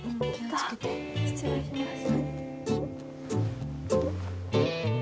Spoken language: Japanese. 痛っ失礼します。